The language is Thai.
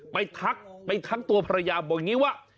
ไปทักไปทักตัวประหยาบว่า